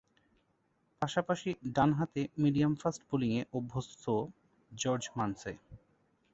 পাশাপাশি ডানহাতে medium fast বোলিংয়ে অভ্যস্ত জর্জ মানসে।